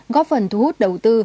góp phần thu hút đầu tư